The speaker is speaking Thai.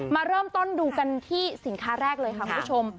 มาเริ่มต้นดูกันที่สินค้าแรกเลยค่ะคุณผู้ชม